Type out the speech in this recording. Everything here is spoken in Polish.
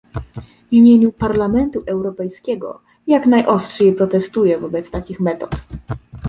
W imieniu Parlamentu Europejskiego jak najostrzej protestuję wobec takich metod